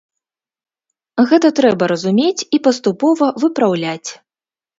Гэта трэба разумець і паступова выпраўляць.